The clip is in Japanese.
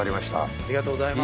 ありがとうございます。